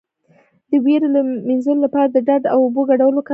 د ویرې د مینځلو لپاره د ډاډ او اوبو ګډول وکاروئ